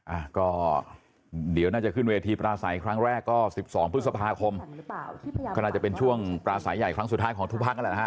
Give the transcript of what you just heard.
อ่ะก็เดี๋ยวน่าจะขึ้นเวทีปราศัยครั้งแรกก็สิบสองพฤษภาคมก็น่าจะเป็นช่วงปลาสายใหญ่ครั้งสุดท้ายของทุกพักนั่นแหละนะฮะ